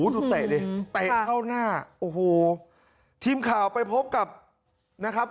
เตะดิเตะเข้าหน้าโอ้โหทีมข่าวไปพบกับนะครับ